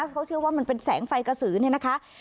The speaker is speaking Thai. เขาเชื่อว่ามันเป็นแสงไฟกระสือเนี่ยนะคะ